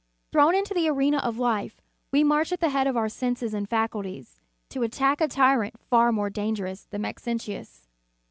Thrown into the arena of life, we march at the head of our senses and faculties, to attack a tyrant far more dangerous than Maxentius.